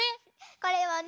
これはね